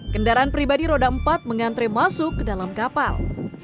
kendaraan pribadi roda empat mengantre masuk ke dalam kapal